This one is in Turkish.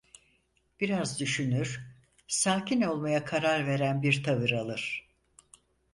Biraz düşünür, sakin olmaya karar veren bir tavır alır.